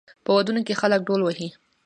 په ودونو کې خلک ډول وهي.